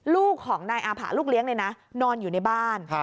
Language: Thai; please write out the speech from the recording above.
ลูกของนายอาผะลูกเลี้ยงเลยนะนอนอยู่ในบ้าน